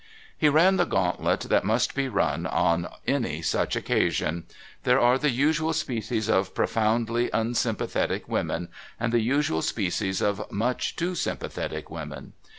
He ran the gauntlet that must be run on any such occasion. There were the usual species of profoundly unsympathetic women, and the usual species of much too sympathetic women.